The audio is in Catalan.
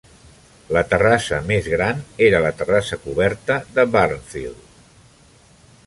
La terrassa més gran era la terrassa coberta de Barnfield.